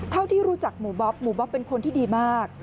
เท่าที่รู้จักหมู่บ๊อบหมู่บ๊อบเป็นคนที่ดีมาก